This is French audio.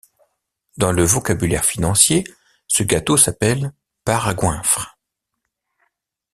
Dans le vocabulaire financier, ce gâteau s’appelle part à goinfre!